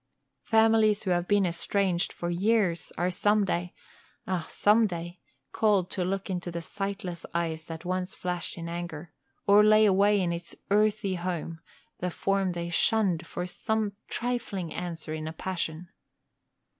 Families who have been estranged for years are some day ah, some day! called to look into the sightless eyes that once flashed in anger, or lay away in its earthy home the form they shunned for some trifling answer in a passion.